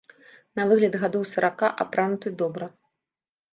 На выгляд гадоў сарака, апрануты добра.